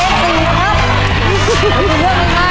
ครอบครัวของแม่ปุ้ยจังหวัดสะแก้วนะครับ